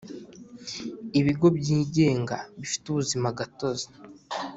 Ibigo byigenga bifite ubuzima gatozi